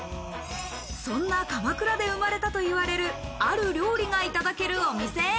そんな鎌倉で生まれたといわれる、ある料理がいただけるお店へ。